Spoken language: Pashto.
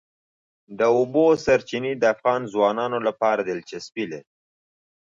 د اوبو سرچینې د افغان ځوانانو لپاره دلچسپي لري.